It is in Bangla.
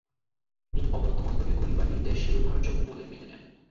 তিনি অবনত মস্তকে খলিফার নির্দেশ শিরোধার্য বলে মেনে নেন।